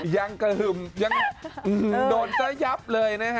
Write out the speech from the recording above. ยังกระหึ่มยังโดนซะยับเลยนะฮะ